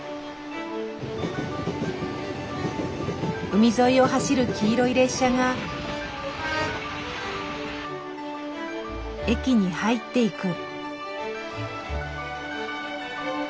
海沿いを走る黄色い列車が駅に入っていく。